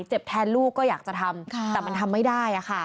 เจ็บแทนลูกก็อยากจะทำแต่มันทำไม่ได้